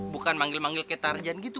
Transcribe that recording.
bukan manggil manggil kayak tarjan gitu